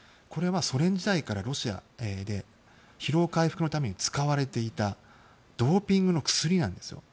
これはソ連時代からロシアで疲労回復のために使われていたドーピングの薬なんです。